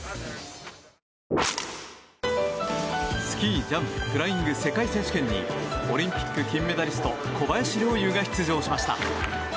スキージャンプフライング世界選手権にオリンピック金メダリスト小林陵侑が出場しました。